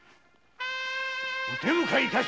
お手向かい致しまする！